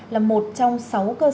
là một trong sáu cơ sở dữ liệu quốc gia